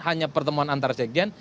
hanya pertemuan antarasegen